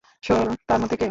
শৈল তার মধ্যে কে?